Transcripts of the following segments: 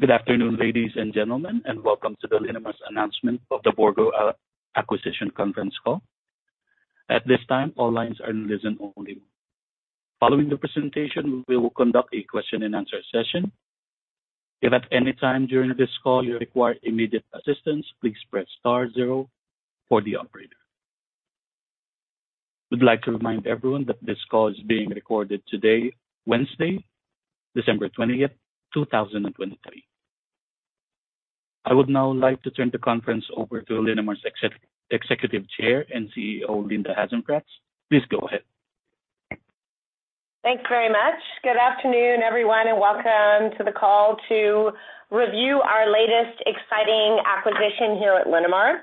Good afternoon, ladies and gentlemen, and welcome to Linamar's announcement of the Bourgault Acquisition Conference Call. At this time, all lines are in listen only. Following the presentation, we will conduct a question-and-answer session. If at any time during this call you require immediate assistance, please press star 0 for the operator. We'd like to remind everyone that this call is being recorded today, Wednesday, December 20th, 2023. I would now like to turn the conference over to Linamar's Executive Chair and CEO, Linda Hasenfratz. Please go ahead. Thanks very much. Good afternoon, everyone, and welcome to the call to review our latest exciting acquisition here at Linamar.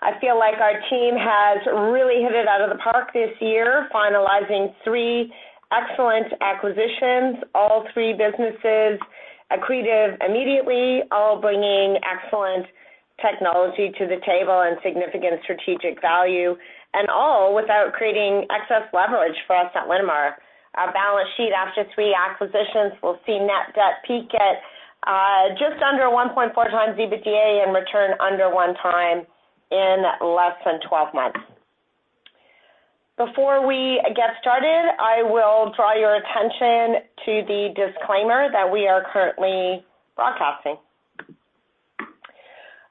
I feel like our team has really hit it out of the park this year, finalizing three excellent acquisitions, all three businesses accretive immediately, all bringing excellent technology to the table and significant strategic value, and all without creating excess leverage for us at Linamar. Our balance sheet after three acquisitions will see net debt peak at just under 1.4x EBITDA and return under 1x in less than 12 months. Before we get started, I will draw your attention to the disclaimer that we are currently broadcasting.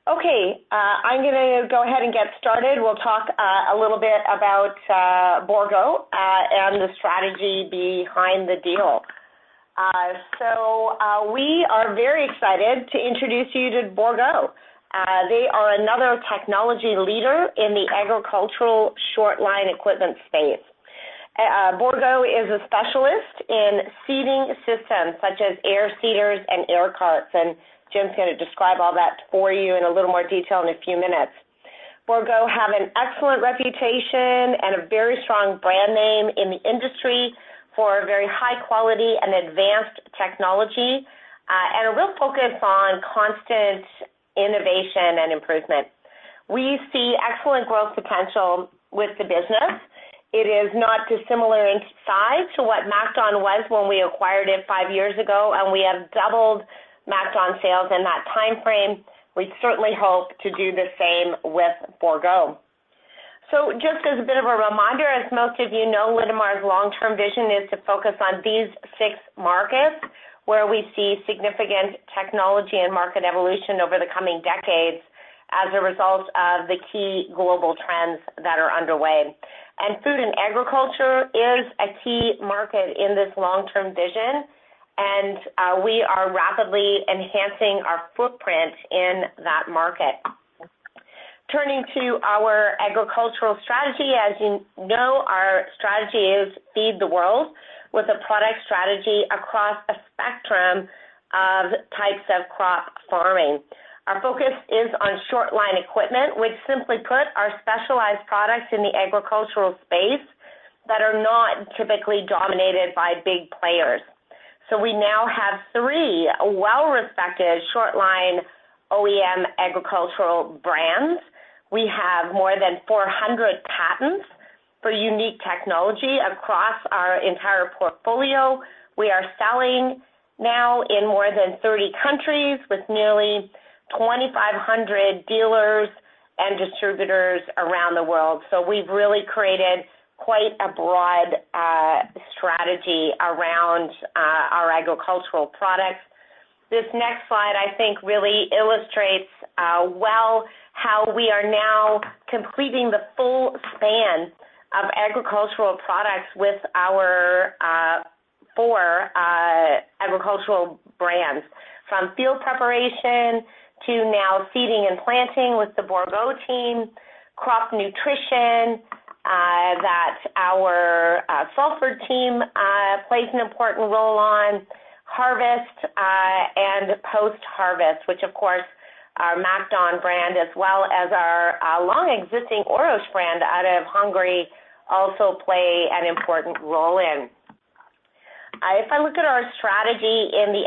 Okay, I'm going to go ahead and get started. We'll talk a little bit about Bourgault and the strategy behind the deal. So we are very excited to introduce you to Bourgault. They are another technology leader in the agricultural short-line equipment space. Bourgault is a specialist in seeding systems such as air seeders and air carts, and Jim's going to describe all that for you in a little more detail in a few minutes. Bourgault has an excellent reputation and a very strong brand name in the industry for very high quality and advanced technology, and a real focus on constant innovation and improvement. We see excellent growth potential with the business. It is not dissimilar in size to what MacDon was when we acquired it five years ago, and we have doubled MacDon sales in that timeframe. We certainly hope to do the same with Bourgault. So just as a bit of a reminder, as most of you know, Linamar's long-term vision is to focus on these six markets where we see significant technology and market evolution over the coming decades as a result of the key global trends that are underway. Food and agriculture is a key market in this long-term vision, and we are rapidly enhancing our footprint in that market. Turning to our agricultural strategy, as you know, our strategy is feed the world with a product strategy across a spectrum of types of crop farming. Our focus is on short-line equipment, which simply put, our specialized products in the agricultural space that are not typically dominated by big players. We now have three well-respected short-line OEM agricultural brands. We have more than 400 patents for unique technology across our entire portfolio. We are selling now in more than 30 countries with nearly 2,500 dealers and distributors around the world. So we've really created quite a broad strategy around our agricultural products. This next slide, I think, really illustrates well how we are now completing the full span of agricultural products with our four agricultural brands, from field preparation to now seeding and planting with the Bourgault team, crop nutrition that our Salford team plays an important role on, harvest, and post-harvest, which, of course, our MacDon brand as well as our long-existing OROS brand out of Hungary also play an important role in. If I look at our strategy in the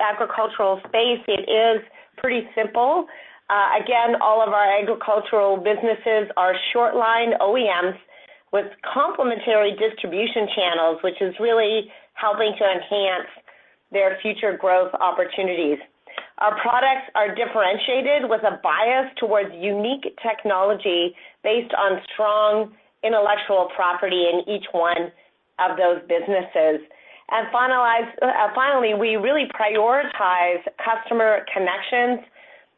agricultural space, it is pretty simple. Again, all of our agricultural businesses are short-line OEMs with complementary distribution channels, which is really helping to enhance their future growth opportunities. Our products are differentiated with a bias towards unique technology based on strong intellectual property in each one of those businesses. And finally, we really prioritize customer connections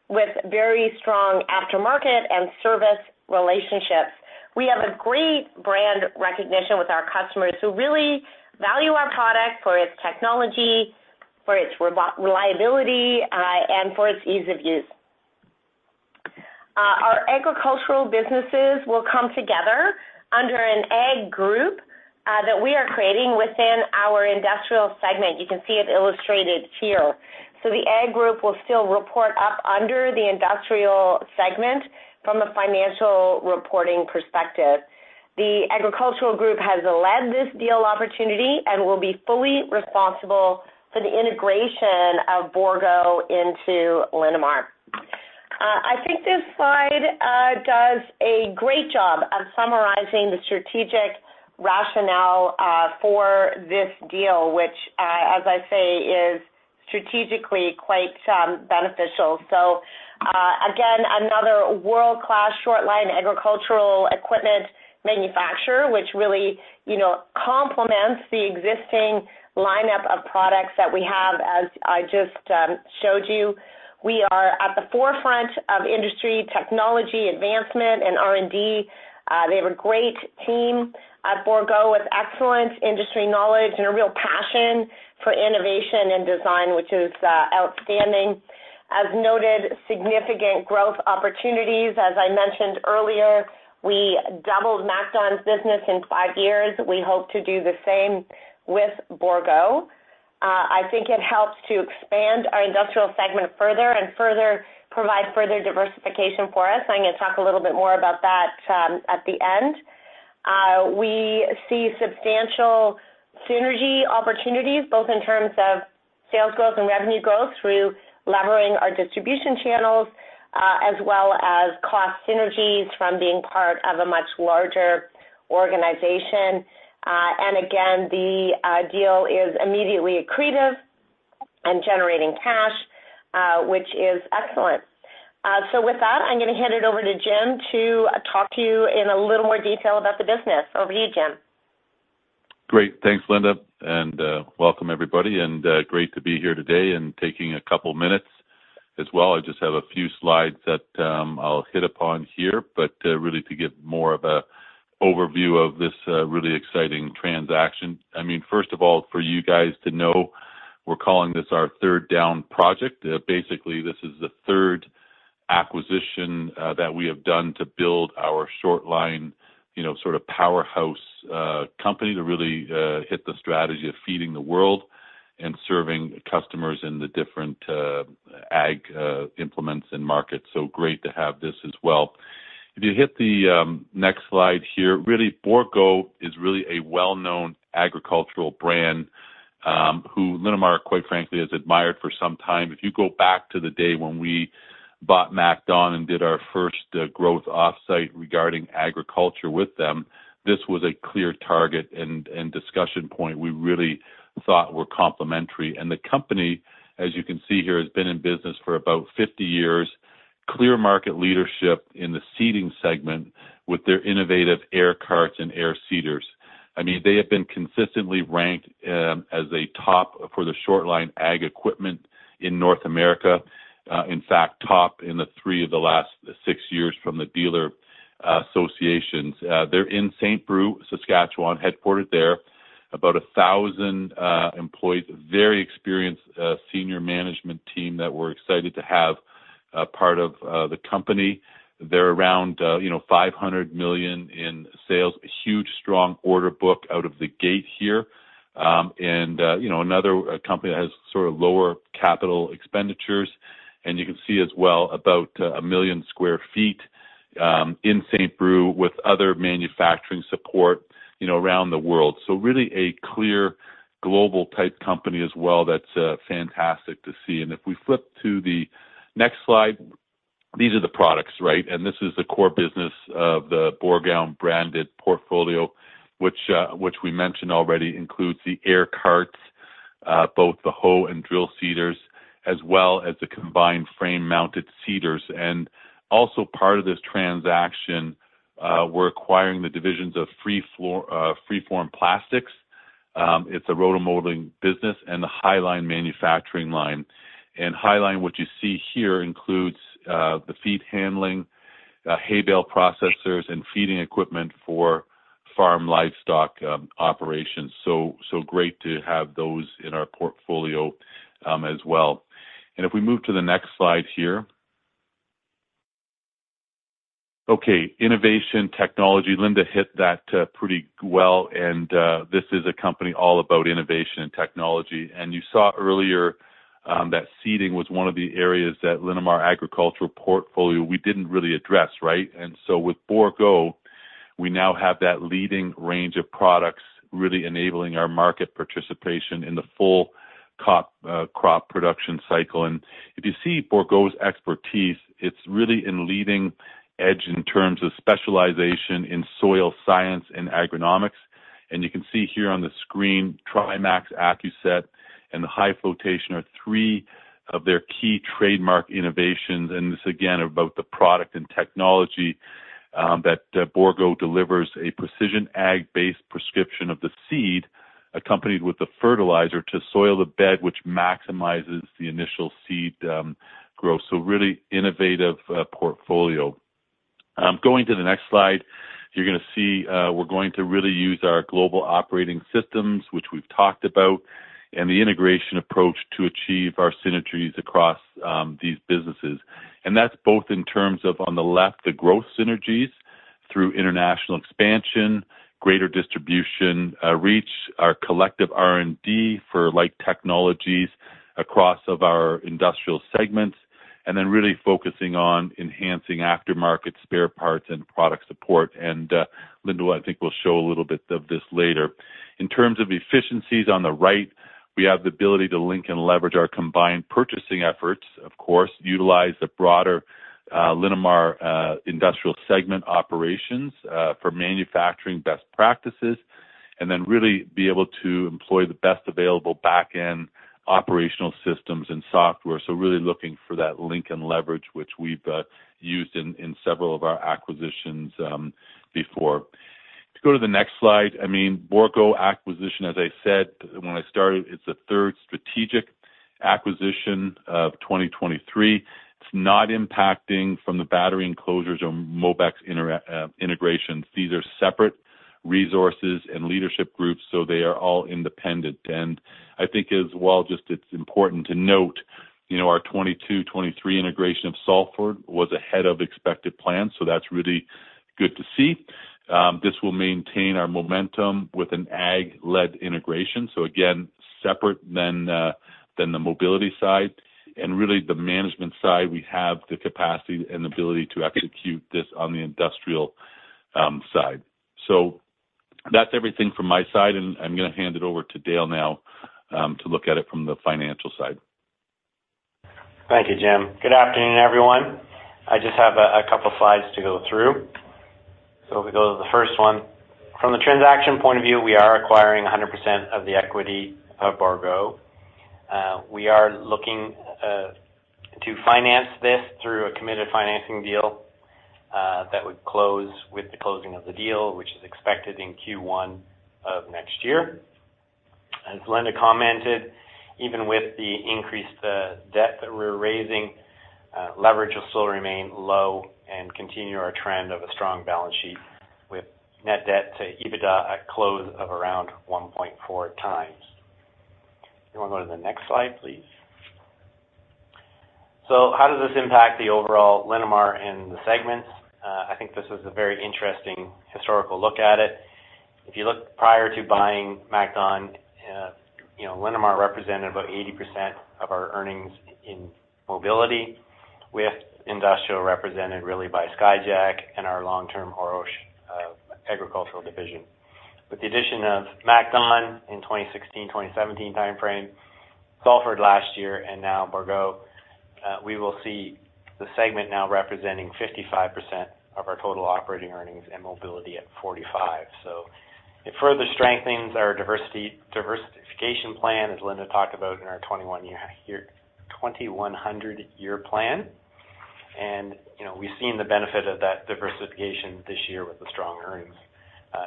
with very strong aftermarket and service relationships. We have a great brand recognition with our customers who really value our product for its technology, for its reliability, and for its ease of use. Our agricultural businesses will come together under an ag group that we are creating within our Industrial segment. You can see it illustrated here. So the ag group will still report up under the Industrial segment from a financial reporting perspective. The agricultural group has led this deal opportunity and will be fully responsible for the integration of Bourgault into Linamar. I think this slide does a great job of summarizing the strategic rationale for this deal, which, as I say, is strategically quite beneficial. So again, another world-class short-line agricultural equipment manufacturer, which really complements the existing lineup of products that we have, as I just showed you. We are at the forefront of industry technology advancement and R&D. They have a great team at Bourgault with excellent industry knowledge and a real passion for innovation and design, which is outstanding. As noted, significant growth opportunities. As I mentioned earlier, we doubled MacDon's business in five years. We hope to do the same with Bourgault. I think it helps to expand our Industrial segment further and provide further diversification for us. I'm going to talk a little bit more about that at the end. We see substantial synergy opportunities, both in terms of sales growth and revenue growth through leveraging our distribution channels, as well as cost synergies from being part of a much larger organization. Again, the deal is immediately accretive and generating cash, which is excellent. With that, I'm going to hand it over to Jim to talk to you in a little more detail about the business. Over to you, Jim. Great. Thanks, Linda, and welcome, everybody. And great to be here today and taking a couple of minutes as well. I just have a few slides that I'll hit upon here, but really to give more of an overview of this really exciting transaction. I mean, first of all, for you guys to know, we're calling this our third down project. Basically, this is the third acquisition that we have done to build our short-line sort of powerhouse company to really hit the strategy of feeding the world and serving customers in the different ag implements and markets. So great to have this as well. If you hit the next slide here, really, Bourgault is really a well-known agricultural brand who Linamar, quite frankly, has admired for some time. If you go back to the day when we bought MacDon and did our first growth offsite regarding agriculture with them, this was a clear target and discussion point we really thought were complementary. And the company, as you can see here, has been in business for about 50 years, clear market leadership in the seeding segment with their innovative air carts and air seeders. I mean, they have been consistently ranked as a top for the short-line ag equipment in North America, in fact, top in the three of the last six years from the dealer associations. They're in St. Brieux, Saskatchewan, headquartered there, about 1,000 employees, a very experienced senior management team that we're excited to have part of the company. They're around 500 million in sales, a huge, strong order book out of the gate here, and another company that has sort of lower capital expenditures. You can see as well about 1 million sq ft in St. Brieux with other manufacturing support around the world. So really a clear global type company as well that's fantastic to see. And if we flip to the next slide, these are the products, right? And this is the core business of the Bourgault branded portfolio, which we mentioned already, includes the air carts, both the hoe and drill seeders, as well as the combined frame-mounted seeders. And also part of this transaction, we're acquiring the division of Free Form Plastics. It's a roto-molding business and the Highline Manufacturing line. And Highline, what you see here, includes the hay handling, hay bale processors, and feeding equipment for farm livestock operations. So great to have those in our portfolio as well. And if we move to the next slide here. Okay, innovation, technology. Linda hit that pretty well, and this is a company all about innovation and technology. You saw earlier that seeding was one of the areas that Linamar agricultural portfolio we didn't really address, right? With Bourgault, we now have that leading range of products really enabling our market participation in the full crop production cycle. If you see Bourgault's expertise, it's really in leading edge in terms of specialization in soil science and agronomics. You can see here on the screen, TriMax, AccuSet, and High Flotation are three of their key trademark innovations. This again is about the product and technology that Bourgault delivers: a precision ag-based prescription of the seed accompanied with the fertilizer to soil the bed, which maximizes the initial seed growth. Really innovative portfolio. Going to the next slide, you're going to see we're going to really use our global operating systems, which we've talked about, and the integration approach to achieve our synergies across these businesses. That's both in terms of, on the left, the growth synergies through international expansion, greater distribution reach, our collective R&D for light technologies across our Industrial segments, and then really focusing on enhancing aftermarket spare parts and product support. And Linda, I think, will show a little bit of this later. In terms of efficiencies on the right, we have the ability to link and leverage our combined purchasing efforts, of course, utilize the broader Linamar Industrial segment operations for manufacturing best practices, and then really be able to employ the best available back-end operational systems and software. So really looking for that link and leverage, which we've used in several of our acquisitions before. If you go to the next slide, I mean, Bourgault acquisition, as I said when I started, it's the third strategic acquisition of 2023. It's not impacting from the battery enclosures or Mobex's integrations. These are separate resources and leadership groups, so they are all independent. And I think as well, just it's important to note our 2022, 2023 integration of Salford was ahead of expected plans, so that's really good to see. This will maintain our momentum with an ag-led integration. So again, separate than the Mobility side. And really the management side, we have the capacity and the ability to execute this on the Industrial side. So that's everything from my side, and I'm going to hand it over to Dale now to look at it from the financial side. Thank you, Jim. Good afternoon, everyone. I just have a couple of slides to go through. So if we go to the first one, from the transaction point of view, we are acquiring 100% of the equity of Bourgault. We are looking to finance this through a committed financing deal that would close with the closing of the deal, which is expected in Q1 of next year. As Linda commented, even with the increased debt that we're raising, leverage will still remain low and continue our trend of a strong balance sheet with net debt to EBITDA at close of around 1.4x. If you want to go to the next slide, please. So how does this impact the overall Linamar and the segments? I think this is a very interesting historical look at it. If you look prior to buying MacDon, Linamar represented about 80% of our earnings in Mobility, with Industrial represented really by Skyjack and our long-term OROS agricultural division. With the addition of MacDon in 2016, 2017 timeframe, Salford last year, and now Bourgault, we will see the segment now representing 55% of our total operating earnings and Mobility at 45%. So it further strengthens our diversification plan, as Linda talked about, in our 2100-year plan. And we've seen the benefit of that diversification this year with the strong earnings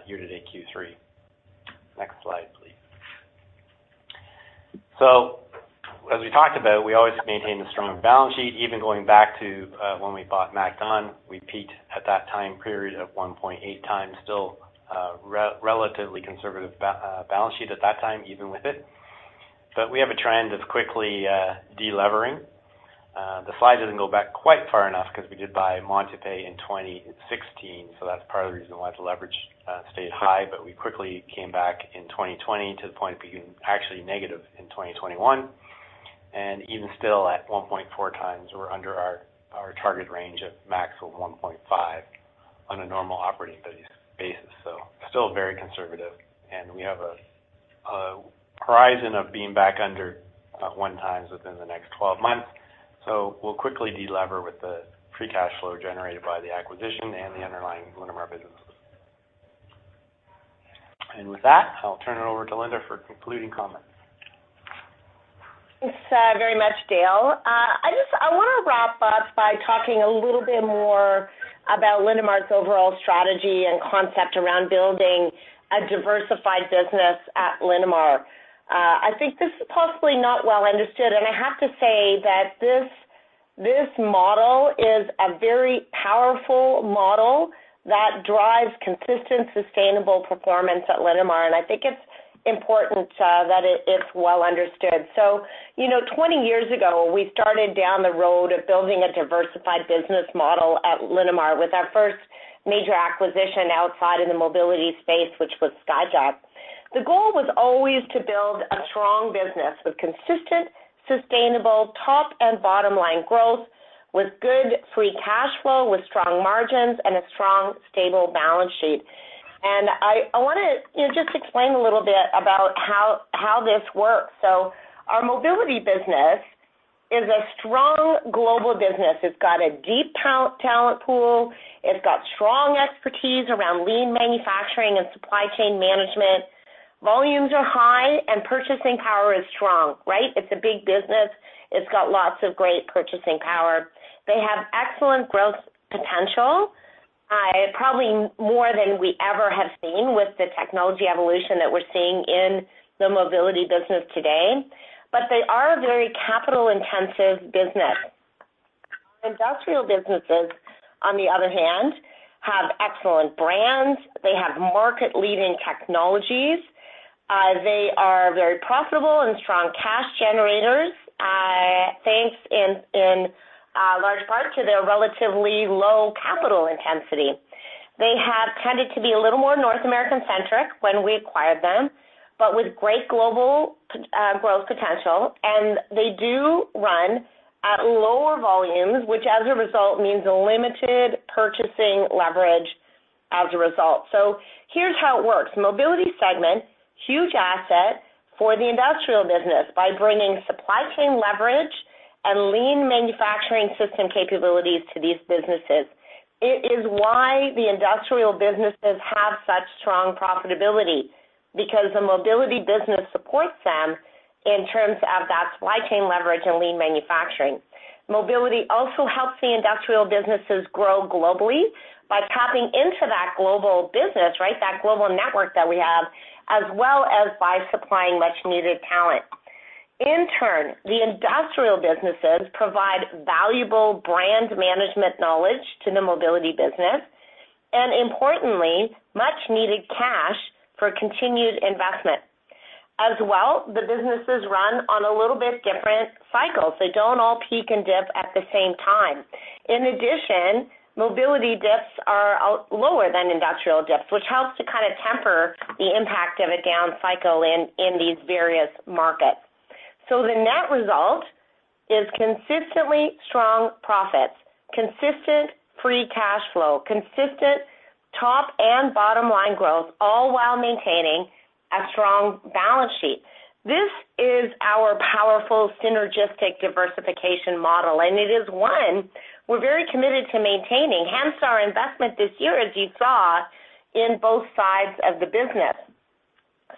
year-to-date Q3. Next slide, please. So as we talked about, we always maintain a strong balance sheet. Even going back to when we bought MacDon, we peaked at that time period of 1.8x, still a relatively conservative balance sheet at that time, even with it. But we have a trend of quickly delevering. The slide doesn't go back quite far enough because we did buy Montupet in 2016, so that's part of the reason why the leverage stayed high. But we quickly came back in 2020 to the point of being actually negative in 2021. Even still at 1.4x, we're under our target range of max of 1.5x on a normal operating basis. So still very conservative. We have a horizon of being back under 1x within the next 12 months. We'll quickly delever with the free cash flow generated by the acquisition and the underlying Linamar businesses. With that, I'll turn it over to Linda for concluding comments. Thanks very much, Dale. I want to wrap up by talking a little bit more about Linamar's overall strategy and concept around building a diversified business at Linamar. I think this is possibly not well understood, and I have to say that this model is a very powerful model that drives consistent, sustainable performance at Linamar. And I think it's important that it's well understood. So 20 years ago, we started down the road of building a diversified business model at Linamar with our first major acquisition outside in the Mobility space, which was Skyjack. The goal was always to build a strong business with consistent, sustainable top and bottom line growth, with good free cash flow, with strong margins, and a strong, stable balance sheet. And I want to just explain a little bit about how this works. So our Mobility business is a strong global business. It's got a deep talent pool. It's got strong expertise around lean manufacturing and supply chain management. Volumes are high, and purchasing power is strong, right? It's a big business. It's got lots of great purchasing power. They have excellent growth potential, probably more than we ever have seen with the technology evolution that we're seeing in the Mobility business today. But they are a very capital-intensive business. Our Industrial businesses, on the other hand, have excellent brands. They have market-leading technologies. They are very profitable and strong cash generators, thanks in large part to their relatively low capital intensity. They have tended to be a little more North American-centric when we acquired them, but with great global growth potential. And they do run at lower volumes, which as a result means a limited purchasing leverage as a result. Here's how it works. Mobility segment, huge asset for the Industrial business by bringing supply chain leverage and lean manufacturing system capabilities to these businesses. It is why the Industrial businesses have such strong profitability because the Mobility business supports them in terms of that supply chain leverage and Lean Manufacturing. Mobility also helps the Industrial businesses grow globally by tapping into that global business, right, that global network that we have, as well as by supplying much-needed talent. In turn, the Industrial businesses provide valuable brand management knowledge to the Mobility business and, importantly, much-needed cash for continued investment. As well, the businesses run on a little bit different cycles. They don't all peak and dip at the same time. In addition, Mobility dips are lower than Industrial dips, which helps to kind of temper the impact of a down cycle in these various markets. So the net result is consistently strong profits, consistent free cash flow, consistent top and bottom line growth, all while maintaining a strong balance sheet. This is our powerful synergistic diversification model, and it is one we're very committed to maintaining. Hence, our investment this year, as you saw, in both sides of the business.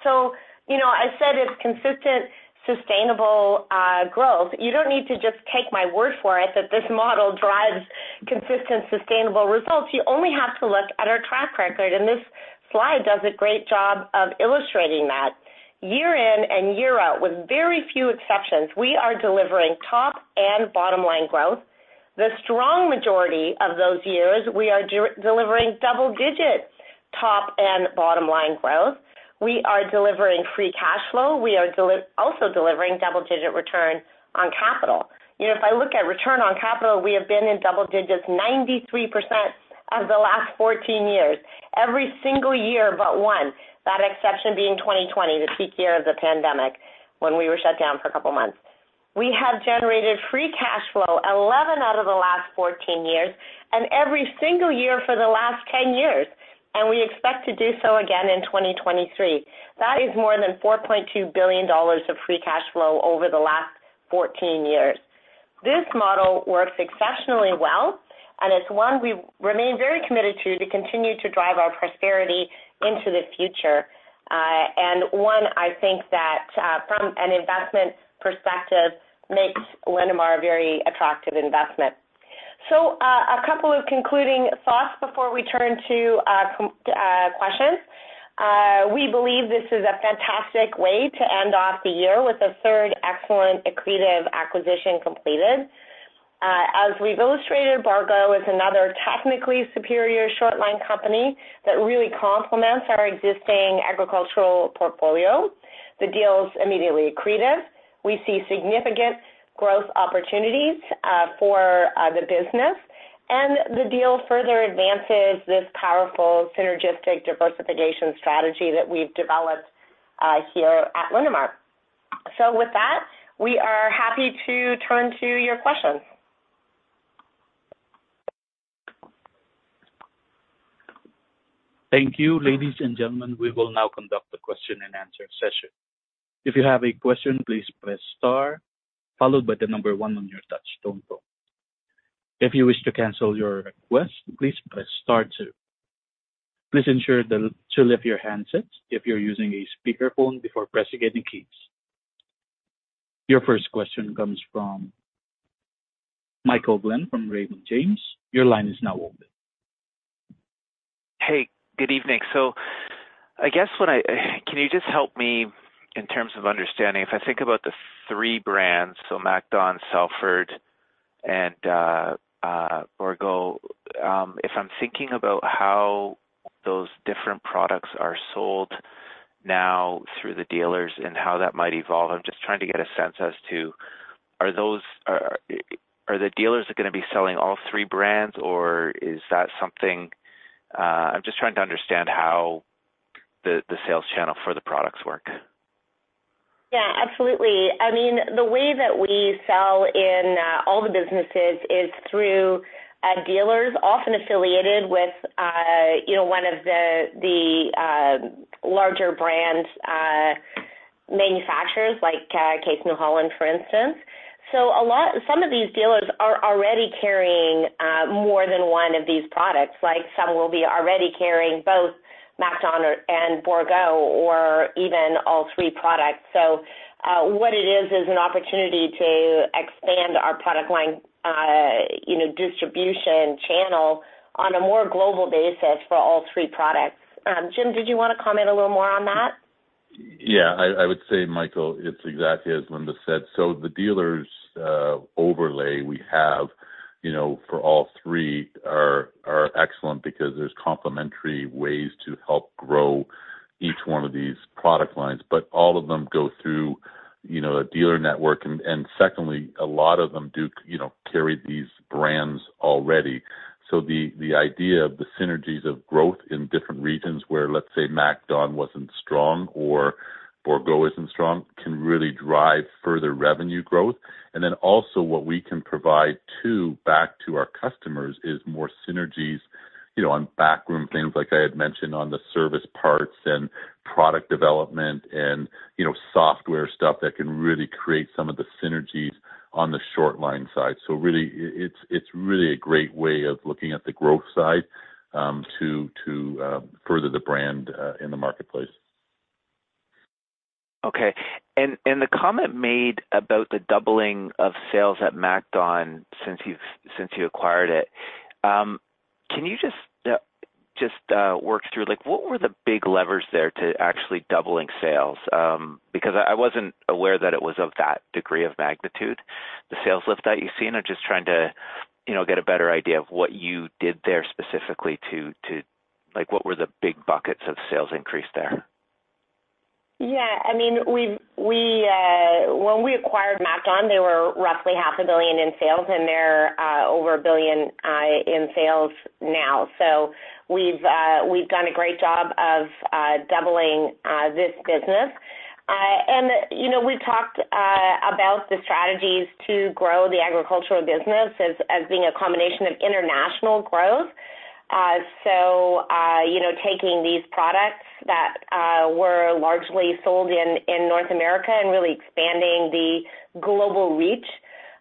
So I said it's consistent, sustainable growth. You don't need to just take my word for it that this model drives consistent, sustainable results. You only have to look at our track record, and this slide does a great job of illustrating that. Year in and year out, with very few exceptions, we are delivering top and bottom line growth. The strong majority of those years, we are delivering double-digit top and bottom line growth. We are delivering free cash flow. We are also delivering double-digit return on capital. If I look at return on capital, we have been in double digits, 93% of the last 14 years, every single year but one, that exception being 2020, the peak year of the pandemic when we were shut down for a couple of months. We have generated free cash flow 11 out of the last 14 years and every single year for the last 10 years, and we expect to do so again in 2023. That is more than 4.2 billion dollars of free cash flow over the last 14 years. This model works exceptionally well, and it's one we remain very committed to to continue to drive our prosperity into the future. And one, I think that from an investment perspective, makes Linamar a very attractive investment. So a couple of concluding thoughts before we turn to questions. We believe this is a fantastic way to end off the year with a third excellent accretive acquisition completed. As we've illustrated, Bourgault is another technically superior short-line company that really complements our existing agricultural portfolio. The deal's immediately accretive. We see significant growth opportunities for the business, and the deal further advances this powerful synergistic diversification strategy that we've developed here at Linamar. So with that, we are happy to turn to your questions. Thank you. Ladies and gentlemen, we will now conduct the question-and-answer session. If you have a question, please press star, followed by the number one on your touch-tone. If you wish to cancel your request, please press star two. Please ensure to leave your handset if you're using a speakerphone before pressing any keys. Your first question comes from Michael Glen from Raymond James. Your line is now open. Hey, good evening. So I guess, can you just help me in terms of understanding? If I think about the three brands, so MacDon, Salford, and Bourgault, if I'm thinking about how those different products are sold now through the dealers and how that might evolve, I'm just trying to get a sense as to are the dealers going to be selling all three brands, or is that something I'm just trying to understand how the sales channel for the products work. Yeah, absolutely. I mean, the way that we sell in all the businesses is through dealers often affiliated with one of the larger brand manufacturers, like Case New Holland, for instance. So some of these dealers are already carrying more than one of these products. Some will be already carrying both MacDon and Bourgault or even all three products. So what it is, is an opportunity to expand our product line distribution channel on a more global basis for all three products. Jim, did you want to comment a little more on that? Yeah. I would say, Michael, it's exactly as Linda said. So the dealers overlay we have for all three are excellent because there's complementary ways to help grow each one of these product lines. But all of them go through a dealer network. And secondly, a lot of them carry these brands already. So the idea of the synergies of growth in different regions where, let's say, MacDon wasn't strong or Bourgault isn't strong can really drive further revenue growth. And then also what we can provide, too, back to our customers is more synergies on backroom things, like I had mentioned, on the service parts and product development and software stuff that can really create some of the synergies on the short-line side. So it's really a great way of looking at the growth side to further the brand in the marketplace. Okay. And the comment made about the doubling of sales at MacDon since you acquired it, can you just work through what were the big levers there to actually doubling sales? Because I wasn't aware that it was of that degree of magnitude, the sales lift that you've seen. I'm just trying to get a better idea of what you did there specifically to what were the big buckets of sales increase there? Yeah. I mean, when we acquired MacDon, they were roughly 500 million in sales, and they're over 1 billion in sales now. So we've done a great job of doubling this business. And we've talked about the strategies to grow the agricultural business as being a combination of international growth, so taking these products that were largely sold in North America and really expanding the global reach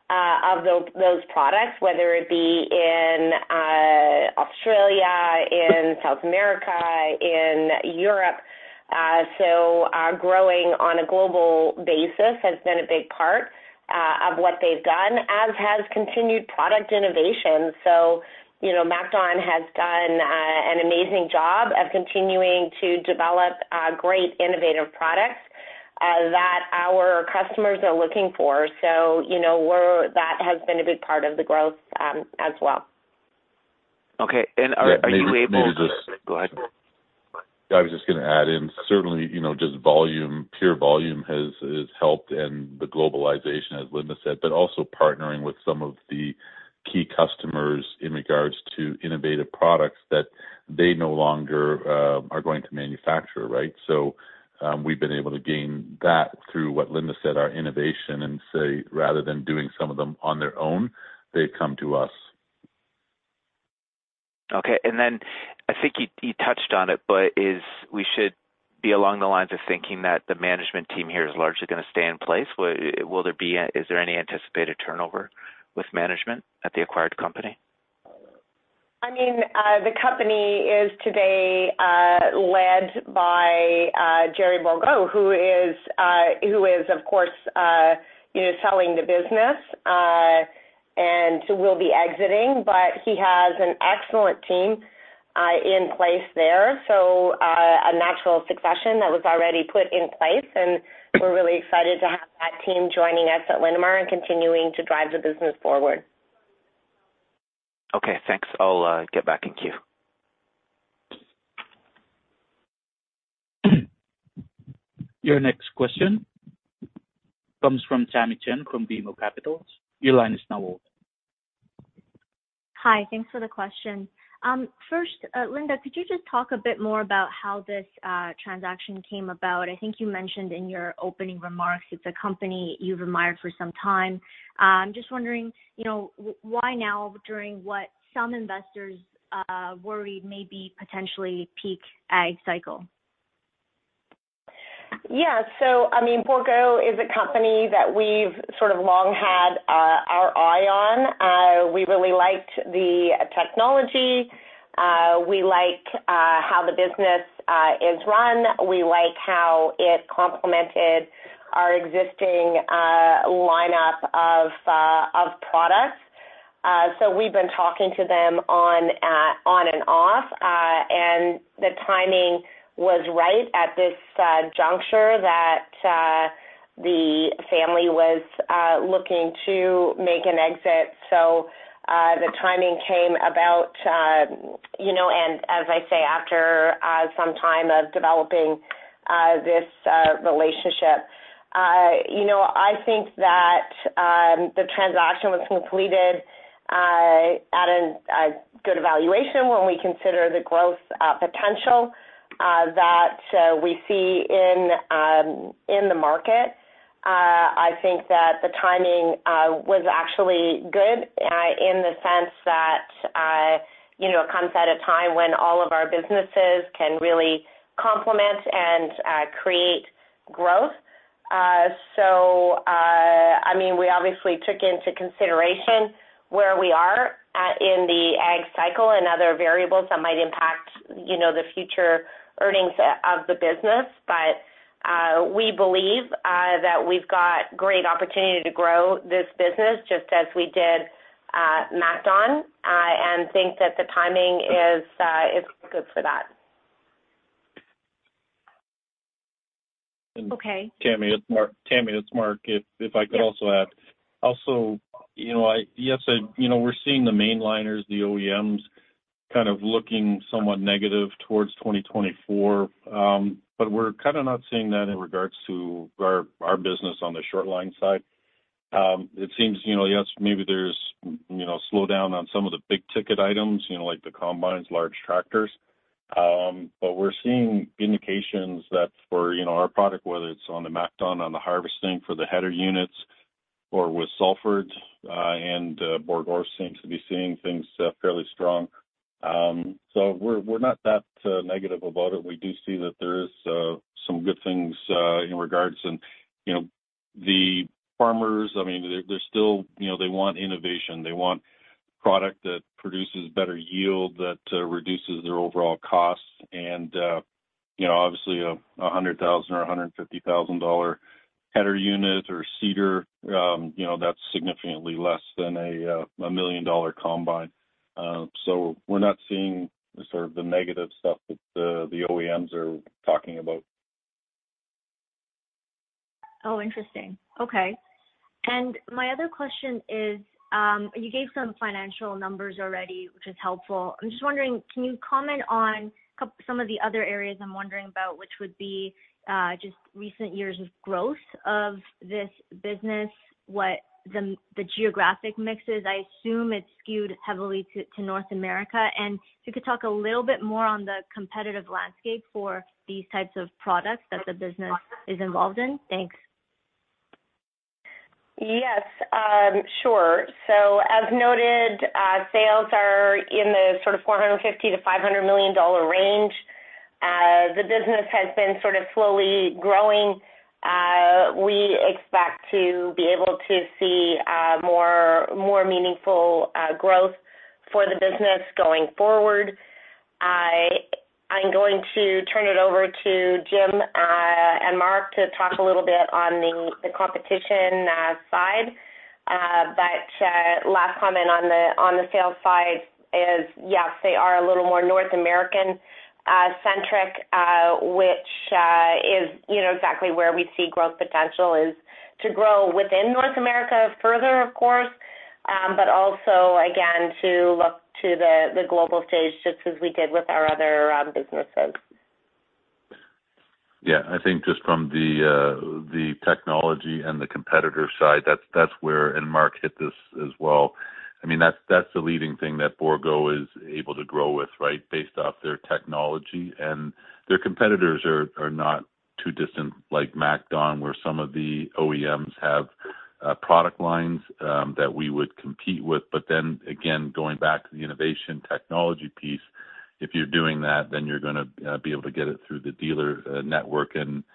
of those products, whether it be in Australia, in South America, in Europe. So growing on a global basis has been a big part of what they've done, as has continued product innovation. So MacDon has done an amazing job of continuing to develop great innovative products that our customers are looking for. So that has been a big part of the growth as well. Okay. Are you able to go ahead? Yeah, I was just going to add in. Certainly, just pure volume has helped, and the globalization, as Linda said, but also partnering with some of the key customers in regards to innovative products that they no longer are going to manufacture, right? So we've been able to gain that through what Linda said, our innovation, and say, rather than doing some of them on their own, they've come to us. Okay. Then I think you touched on it, but we should be along the lines of thinking that the management team here is largely going to stay in place. Is there any anticipated turnover with management at the acquired company? I mean, the company is today led by Gerry Bourgault, who is, of course, selling the business and will be exiting. But he has an excellent team in place there, so a natural succession that was already put in place. And we're really excited to have that team joining us at Linamar and continuing to drive the business forward. Okay. Thanks. I'll get back in queue. Your next question comes from Tamy Chen from BMO Capital Markets. Your line is now open. Hi. Thanks for the question. First, Linda, could you just talk a bit more about how this transaction came about? I think you mentioned in your opening remarks it's a company you've admired for some time. I'm just wondering why now, during what some investors worried may be potentially peak ag cycle? Yeah. So I mean, Bourgault is a company that we've sort of long had our eye on. We really liked the technology. We like how the business is run. We like how it complemented our existing lineup of products. So we've been talking to them on and off, and the timing was right at this juncture that the family was looking to make an exit. So the timing came about, and as I say, after some time of developing this relationship. I think that the transaction was completed at a good evaluation when we consider the growth potential that we see in the market. I think that the timing was actually good in the sense that it comes at a time when all of our businesses can really complement and create growth. So I mean, we obviously took into consideration where we are in the ag cycle and other variables that might impact the future earnings of the business. But we believe that we've got great opportunity to grow this business just as we did MacDon and think that the timing is good for that. Okay. Tammy, it's Mark. Tammy, it's Mark. If I could also add. Also, yes, we're seeing the mainliners, the OEMs, kind of looking somewhat negative towards 2024, but we're kind of not seeing that in regards to our business on the short-line side. It seems, yes, maybe there's a slowdown on some of the big-ticket items like the combines, large tractors. But we're seeing indications that for our product, whether it's on the MacDon, on the harvesting for the header units, or with Salford and Bourgault, seems to be seeing things fairly strong. So we're not that negative about it. We do see that there are some good things in regards to the farmers. I mean, they're still they want innovation. They want product that produces better yield, that reduces their overall costs. And obviously, a $100,000 or $150,000 header unit or seeder, that's significantly less than a million-dollar combine. We're not seeing sort of the negative stuff that the OEMs are talking about. Oh, interesting. Okay. And my other question is you gave some financial numbers already, which is helpful. I'm just wondering, can you comment on some of the other areas I'm wondering about, which would be just recent years of growth of this business, what the geographic mix is? I assume it's skewed heavily to North America. And if you could talk a little bit more on the competitive landscape for these types of products that the business is involved in. Thanks. Yes, sure. So as noted, sales are in the sort of 450 million-500 million dollar range. The business has been sort of slowly growing. We expect to be able to see more meaningful growth for the business going forward. I'm going to turn it over to Jim and Mark to talk a little bit on the competition side. But last comment on the sales side is, yes, they are a little more North American-centric, which is exactly where we see growth potential, is to grow within North America further, of course, but also, again, to look to the global stage just as we did with our other businesses. Yeah. I think just from the technology and the competitor side, that's where and Mark hit this as well. I mean, that's the leading thing that Bourgault is able to grow with, right, based off their technology. And their competitors are not too distant like MacDon, where some of the OEMs have product lines that we would compete with. But then again, going back to the innovation technology piece, if you're doing that, then you're going to be able to get it through the dealer network and to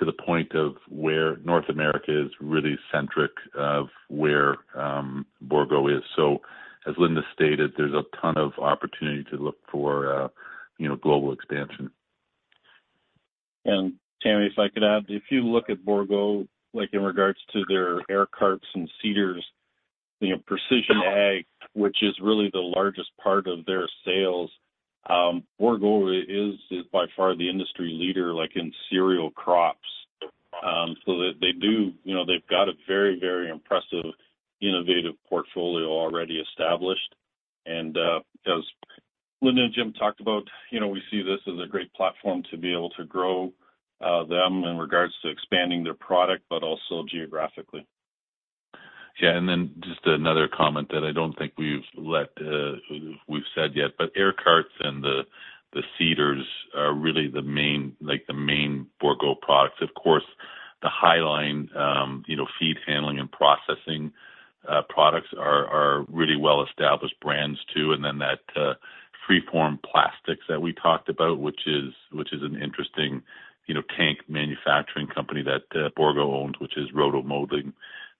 the point of where North America is really centric of where Bourgault is. So as Linda stated, there's a ton of opportunity to look for global expansion. And Tammy, if I could add, if you look at Bourgault in regards to their air carts and seeders, the precision ag, which is really the largest part of their sales, Bourgault is by far the industry leader in cereal crops. So they do they've got a very, very impressive innovative portfolio already established. And as Linda and Jim talked about, we see this as a great platform to be able to grow them in regards to expanding their product, but also geographically. Yeah. And then just another comment that I don't think we've said yet, but air carts and the seeders are really the main Bourgault products. Of course, the Highline feed handling and processing products are really well-established brands, too. And then that Freeform Plastics that we talked about, which is an interesting tank manufacturing company that Bourgault owns, which is roto-molding,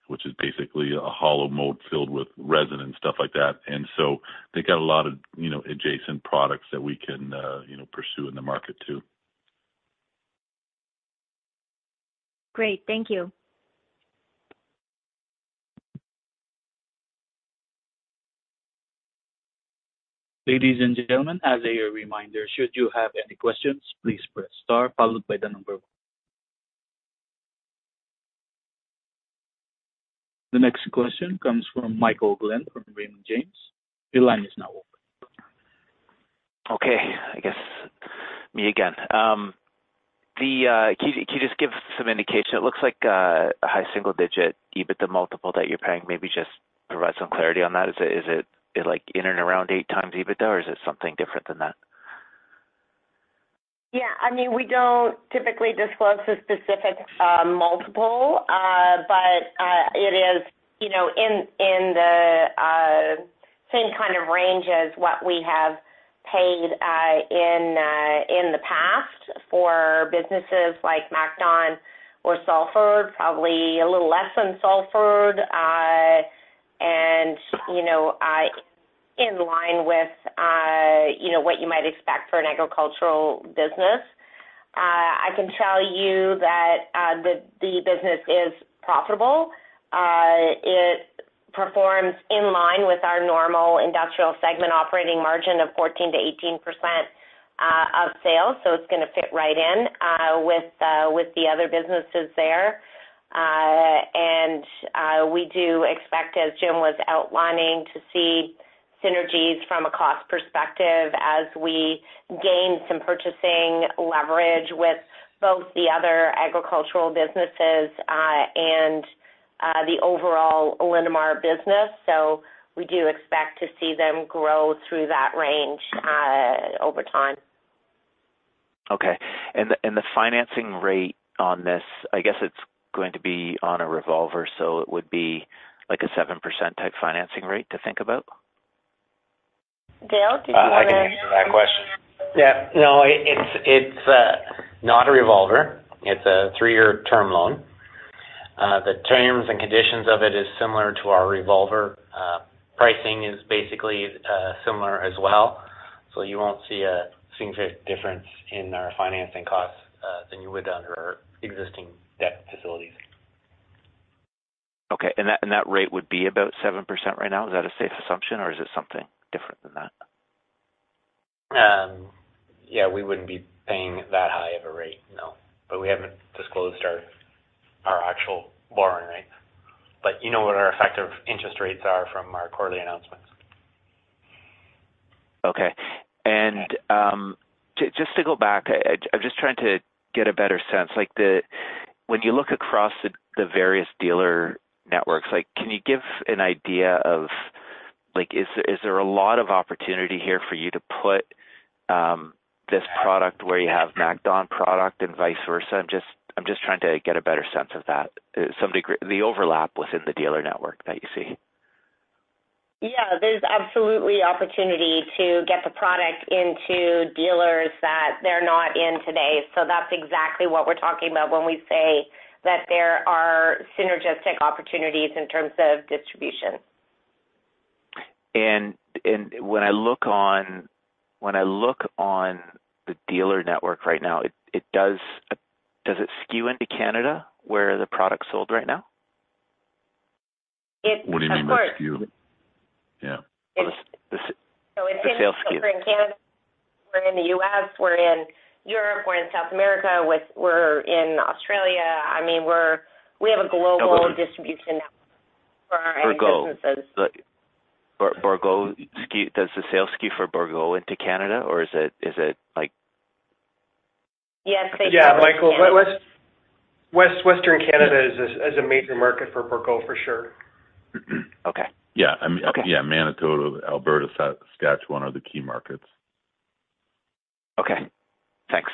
which is basically a hollow mold filled with resin and stuff like that. And so they've got a lot of adjacent products that we can pursue in the market, too. Great. Thank you. Ladies and gentlemen, as a reminder, should you have any questions, please press star followed by the number one. The next question comes from Michael Glen from Raymond James. Your line is now open. Okay. I guess me again. Can you just give some indication? It looks like a high single-digit EBITDA multiple that you're paying. Maybe just provide some clarity on that. Is it in and around 8x EBITDA, or is it something different than that? Yeah. I mean, we don't typically disclose a specific multiple, but it is in the same kind of range as what we have paid in the past for businesses like MacDon or Salford, probably a little less than Salford, and in line with what you might expect for an agricultural business. I can tell you that the business is profitable. It performs in line with our normal industrial segment operating margin of 14%-18% of sales. So it's going to fit right in with the other businesses there. And we do expect, as Jim was outlining, to see synergies from a cost perspective as we gain some purchasing leverage with both the other agricultural businesses and the overall Linamar business. So we do expect to see them grow through that range over time. Okay. And the financing rate on this, I guess it's going to be on a revolver, so it would be a 7% type financing rate to think about? Dale, did you want to? I can answer that question. Yeah. No, it's not a revolver. It's a three-year term loan. The terms and conditions of it are similar to our revolver. Pricing is basically similar as well. So you won't see a significant difference in our financing costs than you would under our existing debt facilities. Okay. That rate would be about 7% right now? Is that a safe assumption, or is it something different than that? Yeah. We wouldn't be paying that high of a rate, no. But we haven't disclosed our actual borrowing rate. But you know what our effective interest rates are from our quarterly announcements. Okay. Just to go back, I'm just trying to get a better sense. When you look across the various dealer networks, can you give an idea of, is there a lot of opportunity here for you to put this product where you have MacDon product and vice versa? I'm just trying to get a better sense of that, the overlap within the dealer network that you see. Yeah. There's absolutely opportunity to get the product into dealers that they're not in today. That's exactly what we're talking about when we say that there are synergistic opportunities in terms of distribution. When I look on the dealer network right now, does it skew into Canada where the product's sold right now? What do you mean by skew? Of course. Yeah. It's in the sales skew. It's in Canada. We're in the U.S. We're in Europe. We're in South America. We're in Australia. I mean, we have a global distribution network for our ag businesses. Does the sales skew for Bourgault into Canada, or is it? Yes. They sell to Canada. Yeah. Michael, Western Canada is a major market for Bourgault for sure. Okay. Yeah. I mean, yeah, Manitoba, Alberta, Saskatchewan are the key markets. Okay. Thanks.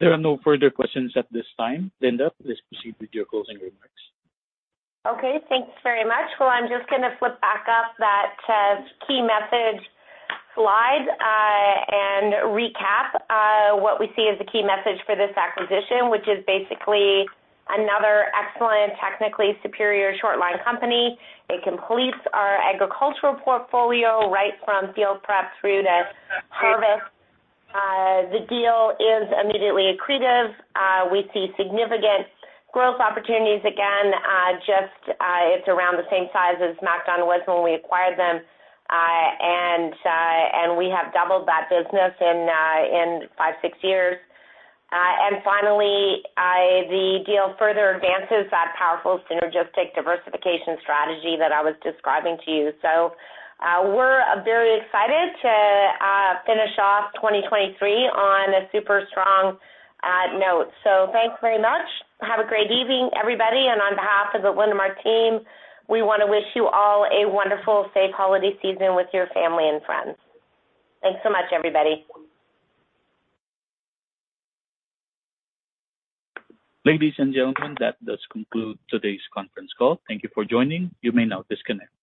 There are no further questions at this time, Linda. Please proceed with your closing remarks. Okay. Thanks very much. Well, I'm just going to flip back up that key message slide and recap what we see as the key message for this acquisition, which is basically another excellent, technically superior short-line company. It completes our agricultural portfolio right from field prep through to harvest. The deal is immediately accretive. We see significant growth opportunities again. Just it's around the same size as MacDon was when we acquired them, and we have doubled that business in five, six years. And finally, the deal further advances that powerful synergistic diversification strategy that I was describing to you. So we're very excited to finish off 2023 on a super strong note. So thanks very much. Have a great evening, everybody. And on behalf of the Linamar team, we want to wish you all a wonderful, safe holiday season with your family and friends. Thanks so much, everybody. Ladies and gentlemen, that does conclude today's conference call. Thank you for joining. You may now disconnect.